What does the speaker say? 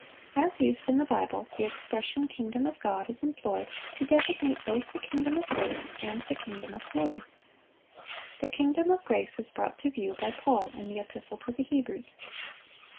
(576) As used in the Bible, the expression "kingdom of God" is employed to designate both the kingdom of grace and the kingdom of glory. The kingdom of grace is brought to view by Paul in the Epistle to the Hebrews.